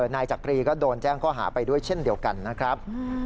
นายจักรีก็โดนแจ้งข้อหาไปด้วยเช่นเดียวกันนะครับ